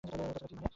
তাছাড়া কি মানে?